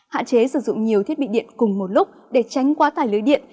hạn chế sử dụng nhiều thiết bị điện cùng một lúc để tránh quá tải lưới điện